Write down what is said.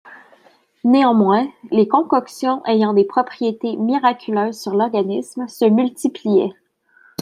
Néanmoins, les concoctions ayant des propriétés miraculeuses sur l'organisme se multipliaient.